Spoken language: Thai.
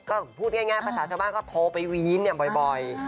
ก็พูดง่ายภาษาชาวบ้านก็โทรไปวีนบ่อย